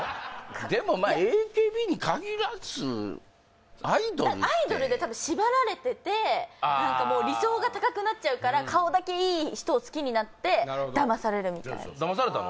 でもまあＡＫＢに限らずアイドルってアイドルで多分縛られてて理想が高くなっちゃうから顔だけいい人を好きになってだまされるみたいなだまされたの？